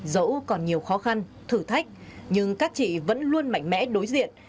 dẫu còn nhiều khó khăn thử thách nhưng các chị vẫn luôn mạnh mẽ đối diện